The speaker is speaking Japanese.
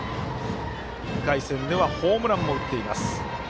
１回戦ではホームランも打っています。